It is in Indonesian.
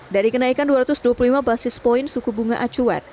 dari kenaikan dua ratus dua puluh lima basis point suku bunga acuan